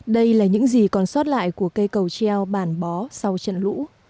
đây là những gì còn sót lại của cây cầu treo bản bó sau trận lũ